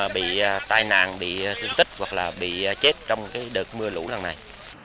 bị tai nạn bị thương tích hoặc là bị chết trong đợt mưa lũ lần này